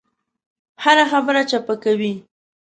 هره خبره چپه کوي.